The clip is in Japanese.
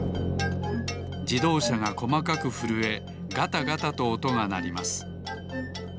じどうしゃがこまかくふるえガタガタとおとがなります